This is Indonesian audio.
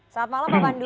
selamat malam pak pandu